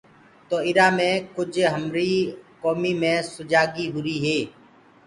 تو اِرآ مي ڪُج هميريٚ ڪومي مي سُجاڳي هُري هي۔